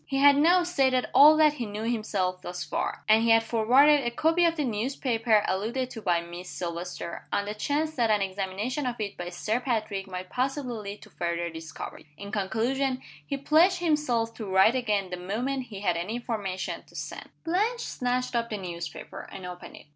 He had now stated all that he knew himself thus far and he had forwarded a copy of the newspaper alluded to by Miss Silvester, on the chance that an examination of it by Sir Patrick might possibly lead to further discoveries. In conclusion, he pledged himself to write again the moment he had any information to send. Blanche snatched up the newspaper, and opened it.